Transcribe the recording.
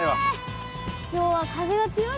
今日は風が強いからね。